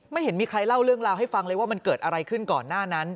เห็นมีใครเล่าเรื่องราวให้ฟังเลยว่ามันเกิดอะไรขึ้นก่อนหน้านั้น